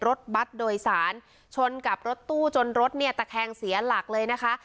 รถบัตรโดยสารชนกับรถตู้จนรถเนี่ยตะแคงเสียหลักเลยนะคะ